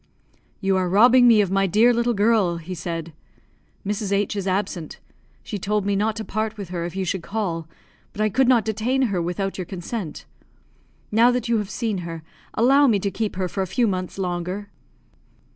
"You are robbing me of my dear little girl," he said. "Mrs. H is absent; she told me not to part with her if you should call; but I could not detain her without your consent. Now that you have seen her, allow me to keep her for a few months longer?"